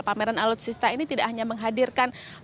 pameran alutsista ini tidak hanya menghadirkan